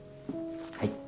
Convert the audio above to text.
はい。